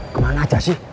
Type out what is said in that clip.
kemana aja sih